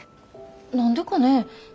何でかねぇ。